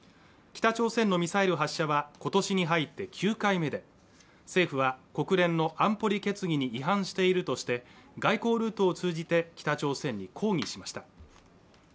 北朝鮮のミサイル発射は今年に入って９回目で政府は国連の安保理決議に違反しているとして外交ルートを通じて北朝鮮に抗議しました